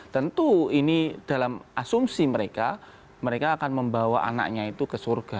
tentu ini dalam asumsi mereka mereka akan membawa anaknya itu ke surga